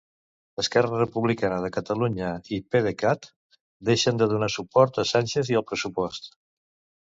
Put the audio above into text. Esquerra Republicana de Catalunya i PDeCAT deixen de donar suport a Sánchez i al pressupost.